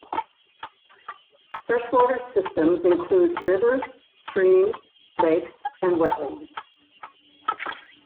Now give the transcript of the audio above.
Freshwater systems include rivers, streams, lakes, and wetlands.